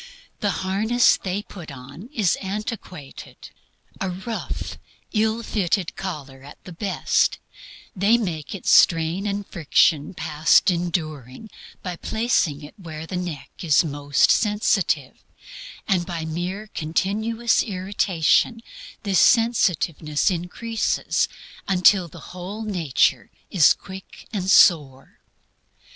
The harness they put on is antiquated. A rough, ill fitted collar at the best, they make its strain and friction past enduring, by placing it where the neck is most sensitive; and by mere continuous irritation this sensitiveness increases until the whole nature is quick and sore.